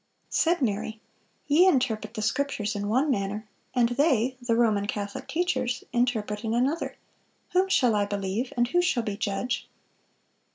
Said Mary, "Ye interpret the Scriptures in one manner, and they [the Roman Catholic teachers] interpret in another; whom shall I believe, and who shall be judge?"